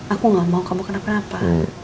aku gak mau kamu kenapa